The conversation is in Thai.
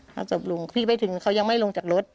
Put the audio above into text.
ศพลุงพี่ไปถึงเขายังไม่ลงจากรถ